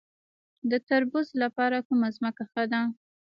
د تربوز لپاره کومه ځمکه ښه ده؟